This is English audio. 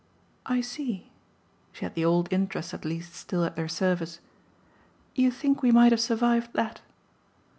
"I see." She had the old interest at least still at their service. "You think we might have survived that."